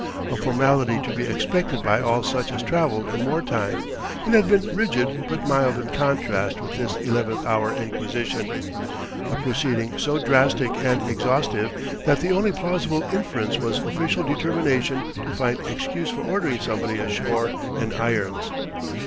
A formality to be expected by all such as travel in war time, it had been rigid but mild in contrast with this eleventh hour inquisition a proceeding so drastic and exhaustive that the only plausible inference was official determination to find excuse for ordering somebody ashore in irons.